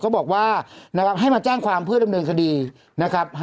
ก็บอกว่านะครับให้มาแจ้งความเพื่อดำเนินคดีนะครับ